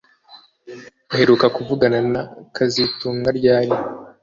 Uheruka kuvugana na kazitunga ryari